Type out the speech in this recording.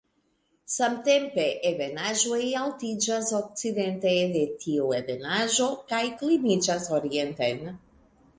Samtempe, ebenaĵoj altiĝas okcidente de tiu ebenaĵo, kaj kliniĝas orienten.